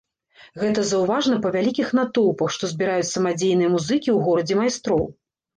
Гэта заўважна па вялікіх натоўпах, што збіраюць самадзейныя музыкі ў горадзе майстроў.